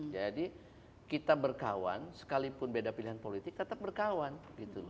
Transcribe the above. jadi kita berkawan sekalipun beda pilihan politik tetap berkawan gitu loh